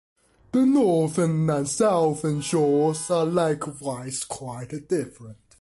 The northern and southern shores are likewise quite different.